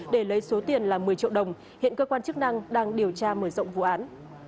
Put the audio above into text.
để lấy số tiền là một mươi triệu đồng hiện cơ quan chức năng đang điều tra mở rộng vụ án